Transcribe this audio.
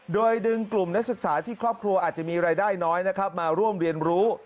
โดยดึงกลุ่มนักศึกษาที่ครอบครัวอาจจะมีรายได้น้อยนะครับมาร่วมเรียนรู้